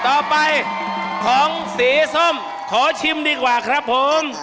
ต่อไปของสีส้มขอชิมดีกว่าครับผม